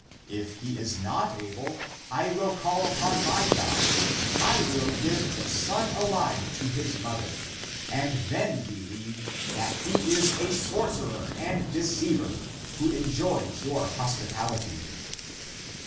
If he is not able, I will call upon my God. I will give the son alive to his mother, and (then) believe, that he is a sorcerer and deceiver, who enjoys your hospitality."